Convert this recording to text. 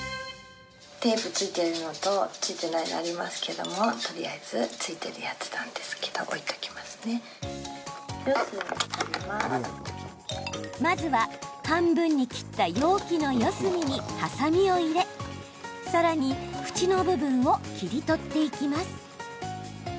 テープ付いているのと付いてないの、ありますけどもとりあえず付いているやつなんですけどまずは半分に切った容器の四隅にはさみを入れさらに縁の部分を切り取っていきます。